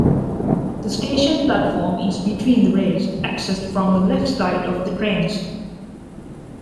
The station platform is between the rails, accessed from the left side of trains.